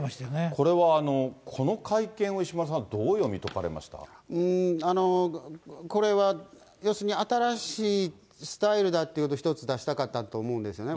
これは、この会見を、これは要するに、新しいスタイルだってことを一つ出したかったと思うんですよね。